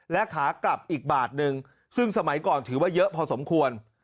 และขากลับอีกบาทหนึ่งซึ่งสมัยก่อนถือว่าเยอะพอสมควร